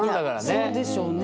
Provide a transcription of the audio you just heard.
いやそうでしょうね。